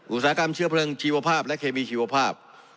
อุตสาหกรรมเชื้อเพลิงชีวภาพและเคมีชีวภาพ